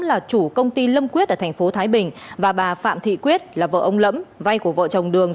là chủ công ty lâm quyết ở tp thái bình và bà phạm thị quyết là vợ ông lẫm vai của vợ chồng đường